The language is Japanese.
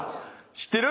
知ってる？